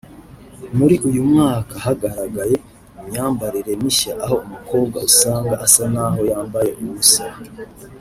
Muri uyu mwaka hagaragaye imyambarire mishya aho umukobwa usanga asa n’aho yambaye ubusa